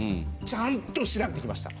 ちゃんと調べてきました。